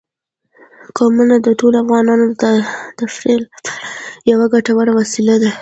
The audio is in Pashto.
قومونه د ټولو افغانانو د تفریح لپاره یوه ګټوره وسیله ده.